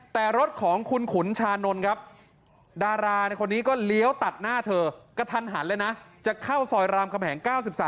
แต่รถของคุณขุนชานนท์ครับดาราในคนนี้ก็เลี้ยวตัดหน้าเธอกระทันหันเลยนะจะเข้าซอยรามคำแหง๙๓